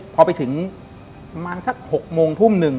พอไปถึงประมาณสัก๖โมงทุ่มหนึ่ง